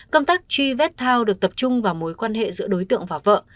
công tác truy vết thao được tập trung vào mối quan hệ giữa đối tượng và vợ